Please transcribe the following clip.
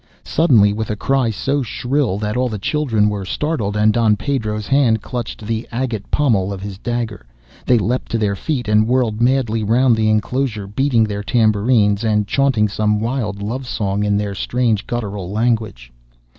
Suddenly, with a cry so shrill that all the children were startled and Don Pedro's hand clutched at the agate pommel of his dagger, they leapt to their feet and whirled madly round the enclosure beating their tambourines, and chaunting some wild love song in their strange guttural language.